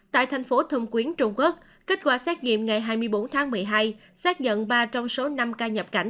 tại thành phố thông quyến trung quốc kết quả xét nghiệm ngày hai mươi bốn tháng một mươi hai xác nhận ba trong số năm ca nhập cảnh